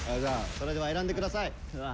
それでは選んでください。